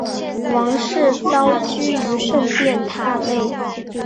王室遭拘于圣殿塔内。